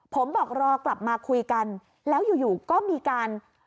ผมบอกรอกลับมาคุยกันแล้วอยู่ก็มีการ